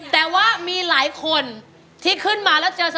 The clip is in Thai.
โทรหาคนรู้จัก